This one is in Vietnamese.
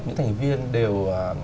những thành viên đều